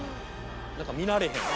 何か見慣れへん。